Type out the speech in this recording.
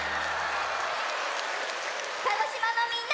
鹿児島のみんな！